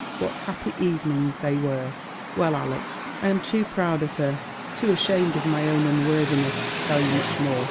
What happy evenings they were \" Well, Ales, I am too proud of her — too ashamed of my own nnworthiness, to tell you much more.